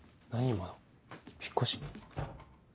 今の引っ越し？